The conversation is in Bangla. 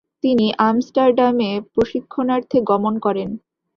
তিনি আমস্টারডামে প্রশিক্ষণার্থে গমন করেন।